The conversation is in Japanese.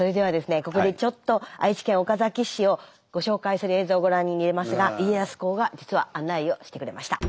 ここでちょっと愛知県岡崎市をご紹介する映像をご覧にいれますが家康公が実は案内をしてくれました。